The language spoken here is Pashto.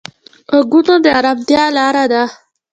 غوږونه د ارامتیا لاره ده